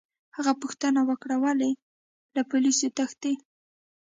هغه پوښتنه وکړه: ولي، له پولیسو تښتې؟